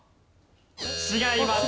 違います。